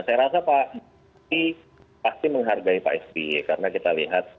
saya rasa pak jokowi pasti menghargai pak sby karena kita lihat